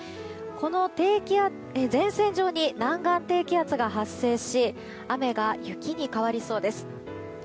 この前線上に南岸低気圧が発生し雨が雪に変わりそうです。